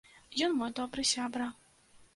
Ён мой добры сябра.